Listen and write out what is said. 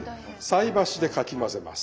菜箸でかき混ぜます。